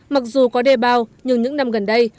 mặc dù có đê bao nhưng những năm gần đây